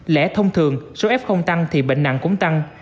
lẽ thông thường số f không tăng thì bệnh nặng cũng tăng